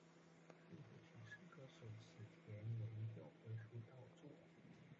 片头曲是歌手矢田悠佑的出道作。